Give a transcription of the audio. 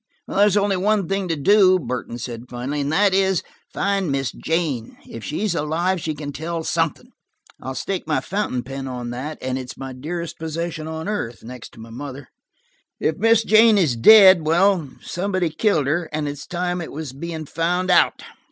"There's only one thing to do," Burton said finally, "and that is, find Miss Jane. If she's alive, she can tell something. I'll stake my fountain pen on that–and it's my dearest possession on earth, next to my mother. If Miss Jane is dead–well, somebody killed her; and it's time it was being found out."